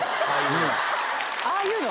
ああいうの。